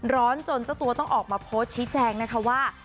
จนเจ้าตัวต้องออกมาโพสต์ชี้แจงนะคะว่า